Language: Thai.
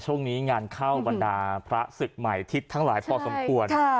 ช่วงนี้งานเข้าบรรดาพระศึกใหม่ทิศทั้งหลายพอสมควร